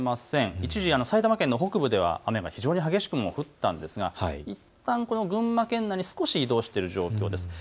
一時、埼玉県の北部では雨が非常に激しく降ったんですがいったん群馬県内で少し移動している状況です。